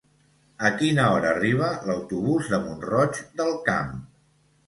A quina hora arriba l'autobús de Mont-roig del Camp?